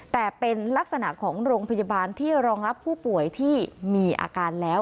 แต่เป็นลักษณะของโรงพยาบาลที่รองรับผู้ป่วยที่มีอาการแล้ว